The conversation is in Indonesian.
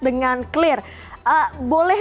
dengan clear boleh